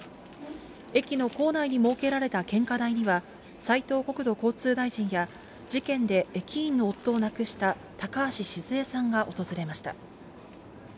駅の構内に設けられた献花台には、斉藤国土交通大臣や、事件で駅員の夫を亡くした高橋シズヱさんが訪れました。